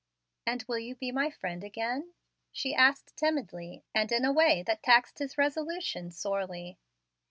"And will you be my friend again?" she asked, timidly, and in a way that taxed his resolution sorely.